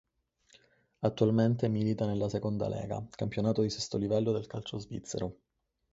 Attualmente milita nella Seconda Lega, campionato di sesto livello del calcio svizzero.